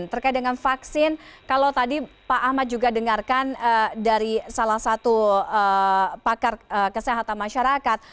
terkait dengan vaksin kalau tadi pak ahmad juga dengarkan dari salah satu pakar kesehatan masyarakat